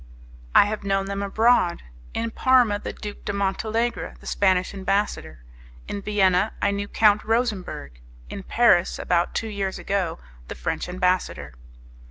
"I have known them abroad. In Parma the Duke de Montalegre, the Spanish ambassador; in Vienna I knew Count Rosemberg; in Paris, about two years ago, the French ambassador."